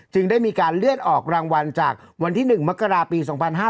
จึงได้มีการเลือกออกรางวัลจากวันที่๑มกราศาสตร์ปี๒๕๖๖